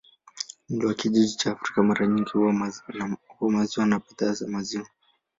Mlo wa kijiji cha Afrika mara nyingi huwa maziwa na bidhaa za maziwa.